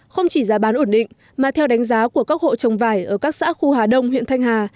không chỉ giá bán ổn định mà theo đánh giá của các hộ trồng vải ở các xã khu hà đông huyện thanh hà